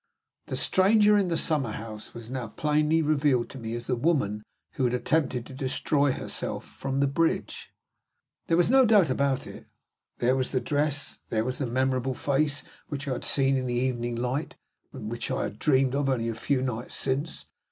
The stranger in the summer house was now plainly revealed to me as the woman who had attempted to destroy herself from the bridge! There was no doubt about it. There was the dress; there was the memorable face which I had seen in the evening light, which I had dreamed of only a few nights since!